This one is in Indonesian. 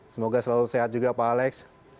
semoga selalu sehat juga pak alex